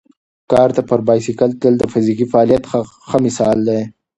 کارته پر بایسکل تلل د فزیکي فعالیت ښه مثال دی.